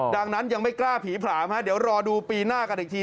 ดังนั้นยังไม่กล้าผีผลามฮะเดี๋ยวรอดูปีหน้ากันอีกที